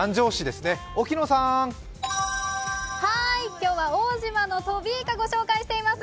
今日は奥武島のトビイカ、ご紹介しています。